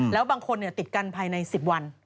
แล้วบางคนติดกันภายใน๑๐วัน